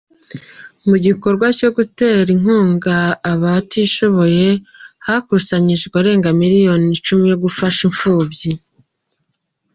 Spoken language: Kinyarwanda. Mu gikorwa cyogutera impunga Abatishoboye hakusanyijwe Arenga Miliyoni Icumi yo gufasha imfubyi